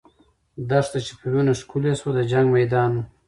دښته چې په وینو ښکلې سوه، د جنګ میدان وو.